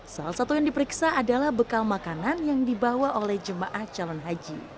salah satu yang diperiksa adalah bekal makanan yang dibawa oleh jemaah calon haji